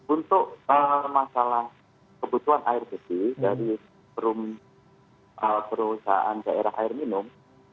untuk masalah kebutuhan air bersih dari perusahaan daerah air minum